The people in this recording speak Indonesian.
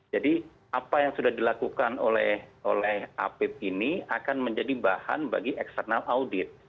jadi apa yang sudah dilakukan oleh apip ini akan menjadi bahan bagi external audit